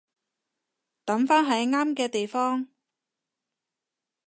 抌返喺啱嘅地方